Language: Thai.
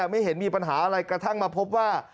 ไม่เห็นมีปัญหาอะไรกระทั่งมาพบว่า